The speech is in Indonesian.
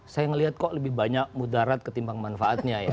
saya melihat kok lebih banyak mudarat ketimbang manfaatnya ya